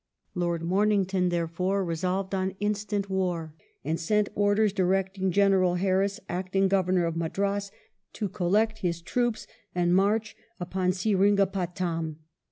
Lord Momington, therefore, resolved on instant war, and sent orders directing General Harris, Acting Governor of Madras, to collect his troops and 26 WELLINGTON chap. march upon Seringapatam.